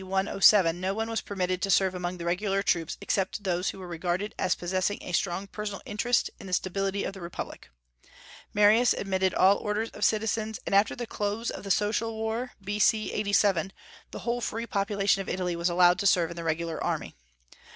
107, no one was permitted to serve among the regular troops except those who were regarded as possessing a strong personal interest in the stability of the republic. Marius admitted all orders of citizens; and after the close of the Social War, B.C. 87, the whole free population of Italy was allowed to serve in the regular army.